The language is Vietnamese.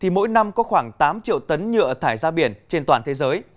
mỗi năm có khoảng tám triệu tấn nhựa thải ra biển trên toàn thế giới